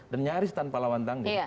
dan nyaris tanpa lawan tanggi